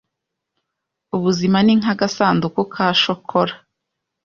Ubuzima ni nkagasanduku ka shokora.